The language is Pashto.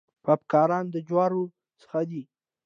پاپ کارن د جوارو څخه دی.